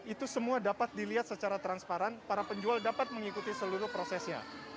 itu semua dapat dilihat secara transparan para penjual dapat mengikuti seluruh prosesnya